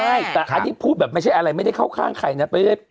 ใช่แต่อันนี้พูดแบบไม่ใช่อะไรไม่ได้เข้าข้างใครนะ